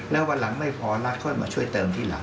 แล้ววันหลังไม่พอแล้วค่อยมาช่วยเติมทีหลัง